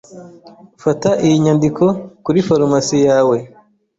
Fata iyi nyandiko kuri farumasi yawe.